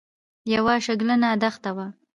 یوه شګلنه دښته وه.